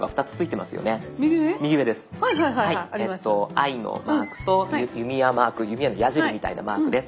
ｉのマークと弓矢マーク弓矢の矢じりみたいなマークです。